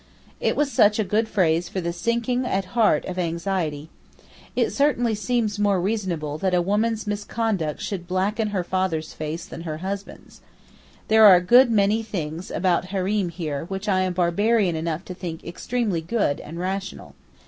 It was such a good phrase for the sinking at heart of anxiety. It certainly seems more reasonable that a woman's misconduct should blacken her father's face than her husband's. There are a good many things about hareem here which I am barbarian enough to think extremely good and rational.